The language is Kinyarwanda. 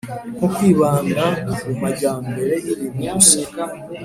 nko kwibanda ku majyambere y’ibintu gusa,